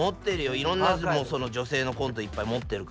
いろんな女性のコントいっぱい持ってるから。